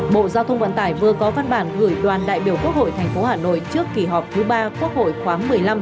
bộ giao thông vận tải vừa có văn bản gửi đoàn đại biểu quốc hội tp hà nội trước kỳ họp thứ ba quốc hội khóa một mươi năm